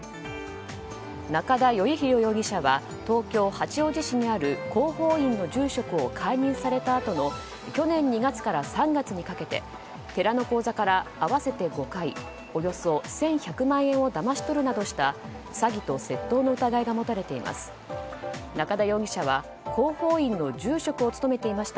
仲田順浩容疑者は東京・八王子市にある光宝院の住職を解任されたあとの去年２月から３月にかけて寺の口座から合わせて５回およそ１１００万円をだまし取るなどした詐欺と窃盗の疑いが持たれています。